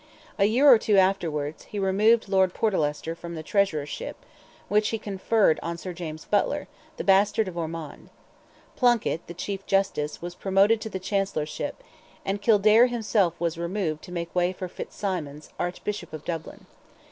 A year or two afterwards, he removed Lord Portlester, from the Treasurership, which he conferred on Sir James Butler, the bastard of Ormond. Plunkett, the Chief Justice, was promoted to the Chancellorship, and Kildare himself was removed to make way for Fitzsymons, Archbishop of Dublin.